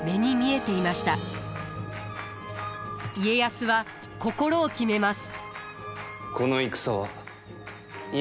家康は心を決めます。